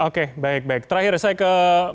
oke baik baik terakhir saya ke